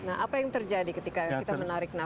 nah apa yang terjadi ketika kita menarik napas seperti ini